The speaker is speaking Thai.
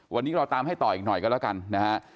วันนี้เราตามให้ต่ออีกหน่อยกันแล้วกันนะฮะ